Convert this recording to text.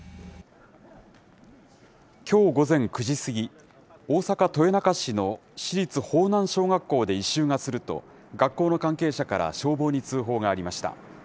きょう午前９時過ぎ、大阪・豊中市の市立豊南小学校で異臭がすると、学校の関係者から消防に通報がありました。